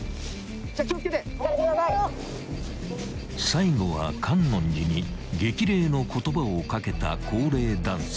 ［最後は觀音寺に激励の言葉をかけた高齢男性］